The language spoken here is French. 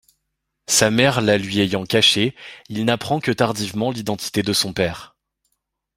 Sa mère la lui ayant cachée, il n'apprend que tardivement l'identité de son père.